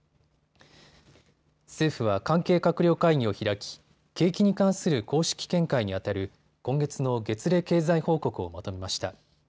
政府は関係閣僚会議を開き景気に関する公式見解にあたる今月の月例経済報告をまとめました。